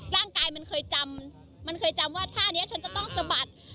ร่างกายมันเคยจำว่าท่านี้ฉันจะต้องสะบัด